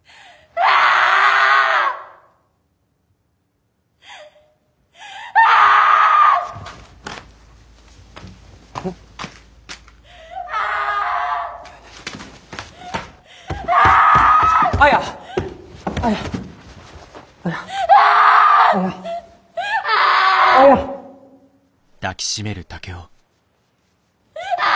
ああ！